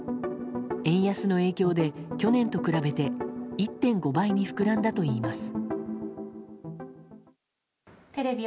円安の影響で、去年と比べて１．５倍に膨らんだといいます。